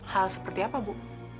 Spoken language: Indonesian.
hal seperti apa bu